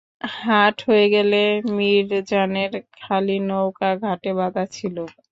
হাট হয়ে গেলে মিরজানের খালি নৌকো ঘাটে বাঁধা ছিল।